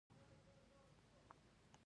او هغې ته دا هم ووایه چې تا څه وړاندیز وکړ